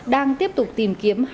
đang tiếp tục tìm kiếm